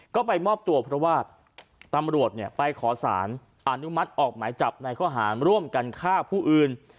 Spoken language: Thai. ก็ไปมอบตัวเพราะว่าตำรวจไปขอสารอนุมัติออกหมายจับในข้อหารร่วมกันฆ่าผู้อื่น